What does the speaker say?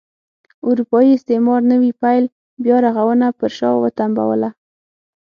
اروپايي استعمار نوي پیل بیا رغونه پر شا وتمبوله.